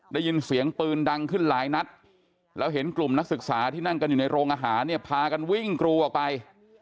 ได้ยินเสียงปืนดังขึ้นหลายนัดแล้วเห็นกลุ่มนักศึกษาที่นั่งกันอยู่ในโรงอาหารเนี่ยพากันวิ่งกรูออกไป